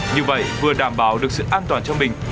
như vậy vừa đảm bảo được sự an toàn cho mình